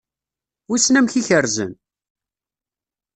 Wissen amek i kerrzen?